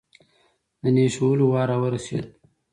د نېش وهلو وار راورسېد.